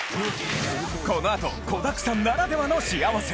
このあと子だくさんならではの幸せ！